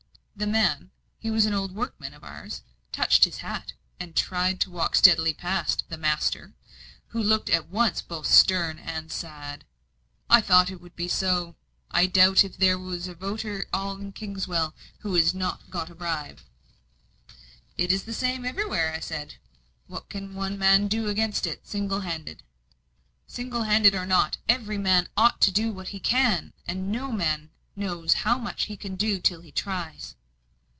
The man he was an old workman of ours touched his hat, and tried to walk steadily past "the master," who looked at once both stern and sad. "I thought it would be so! I doubt if there is a voter in all Kingswell who has not got a bribe." "It is the same everywhere," I said. "What can one man do against it, single handed?" "Single handed or not, every man ought to do what he can. And no man knows how much he can do till he tries."